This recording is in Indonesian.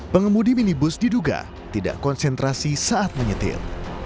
pengemudi minibus diduga tidak konsentrasi saat menyetir